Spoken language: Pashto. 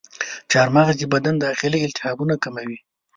چارمغز د بدن داخلي التهابونه کموي.